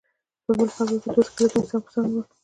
په بل قبر کې دوه سکلیټونه څنګ په څنګ ول.